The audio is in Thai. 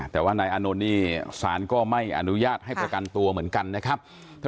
แต่ว่านายอานนท์นี่สารก็ไม่อนุญาตให้ประกันตัวเหมือนกันนะครับ